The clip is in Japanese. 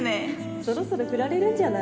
そろそろフラれるんじゃない？